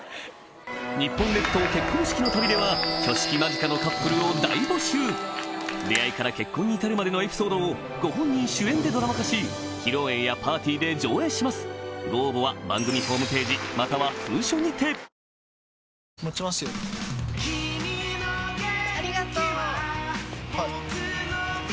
日本列島結婚式の旅では挙式間近のカップルを大募集出会いから結婚に至るまでのエピソードをご本人主演でドラマ化し披露宴やパーティーで上映しますあたらしいプレモル！